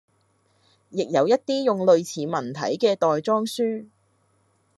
亦有一啲用類似文體嘅袋裝書